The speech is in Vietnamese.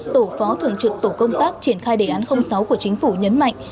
tổ phó thường trực tổ công tác triển khai đề án sáu của chính phủ nhấn mạnh